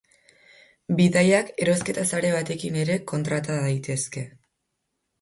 Bidaiak erosketa sare batekin ere kontrata daitezke.